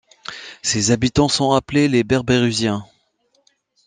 Ses habitants sont appelés les Berbéruziens.